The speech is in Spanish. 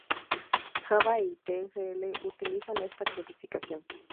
Java y Tcl utilizan esta codificación.